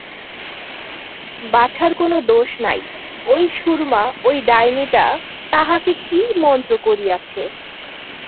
বাছার কোনো দোষ নাই, ওই সুরমা ওই ডাইনীটা তাহাকে কী মন্ত্র করিয়াছে।